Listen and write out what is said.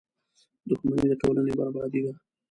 • دښمني د ټولنې بربادي ده.